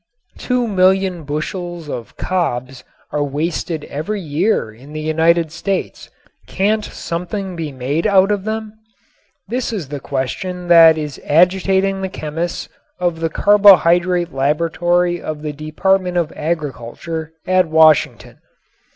Two million bushels of cobs are wasted every year in the United States. Can't something be made out of them? This is the question that is agitating the chemists of the Carbohydrate Laboratory of the Department of Agriculture at Washington.